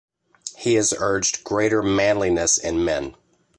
He has urged greater "manliness" in men.